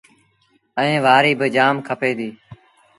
ائيٚݩ وآريٚ باجآم کپي ديٚ۔